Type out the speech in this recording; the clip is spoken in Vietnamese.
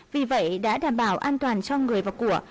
vì vậy đã đảm bảo an toàn cho người và của